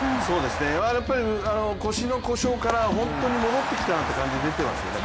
やっぱり腰の故障から本当に戻ってきたなって感じ出てきてますよね。